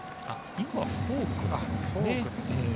今はフォークですね。